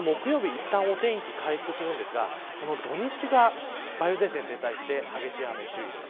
いったんお天気は回復するんですが土日が梅雨前線が停滞して激しい雨に注意です。